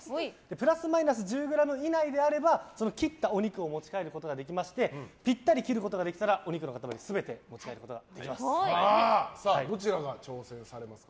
プラスマイナス１０ｇ以内であればその切ったお肉を持ち帰ることができましてぴったり切ることができればお肉の塊どちらが挑戦されますか？